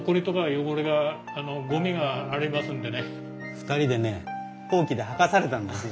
２人でねほうきで掃かされたんですよ